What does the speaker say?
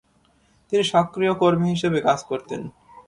তিনি সক্রিয় কর্মী হিসেবে কাজ করতেন।